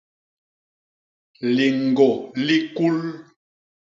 Liñgô li kul.